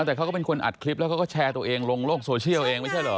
แต่เขาก็เป็นคนอัดคลิปแล้วเขาก็แชร์ตัวเองลงโลกโซเชียลเองไม่ใช่เหรอ